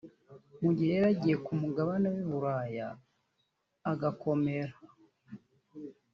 mu gihe yari yaragiye ku mugabane w’i Buraya agakomera